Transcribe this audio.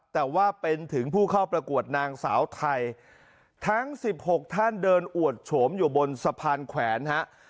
แต่ว่าเป็นถึงผู้เข้าประกวดนางสาวไทยทั้ง๑๖ท่านเดินอวดโฉมอยู่บนสะพานแขวนฮะ